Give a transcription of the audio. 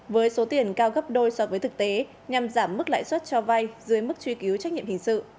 với số tiền cao gấp đôi so với thực tế nhằm giảm mức lãi suất cho vay dưới mức truy cứu trách nhiệm hình sự